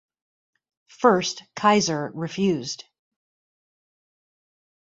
First Kayser refused.